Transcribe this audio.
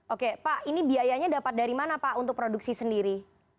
oke pak ini biayanya dapat dari mana pak untuk produksi sendiri